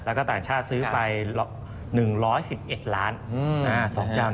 แล้วก็ต่างชาติซื้อไป๑๑๑ล้าน